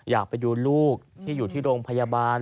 อยากไปดูลูกที่อยู่ที่โรงพยาบาล